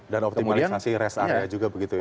dan optimalisasi rest area juga begitu ya